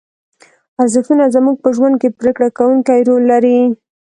ارزښتونه زموږ په ژوند کې پرېکړه کوونکی رول لري.